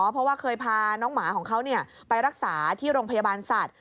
เพราะว่าเคยพาน้องหมาของเขาไปรักษาที่โรงพยาบาลสัตว์